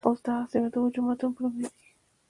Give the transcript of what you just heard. اوس دغه سیمه د اوه جوماتونوپه نوم يادېږي.